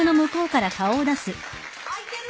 あいてる？